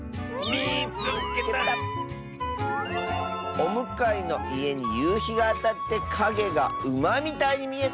「おむかいのいえにゆうひがあたってかげがうまみたいにみえた！」。